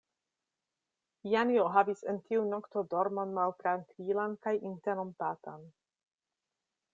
Janjo havis en tiu nokto dormon maltrankvilan kaj interrompatan.